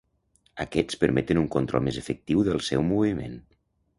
Aquests permeten un control més efectiu del seu moviment.